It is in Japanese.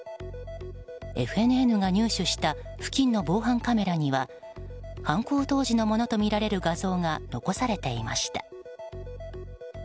ＦＮＮが入手した付近の防犯カメラには犯行当時のものとみられる画像が残されていました。